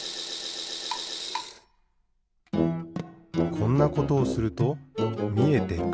こんなことをするとみえてくる。